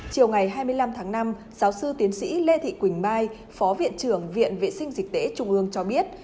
chiều ngày hai mươi năm tháng năm giáo sư tiến sĩ lê thị quỳnh mai phó viện trưởng viện vệ sinh dịch tễ trung ương cho biết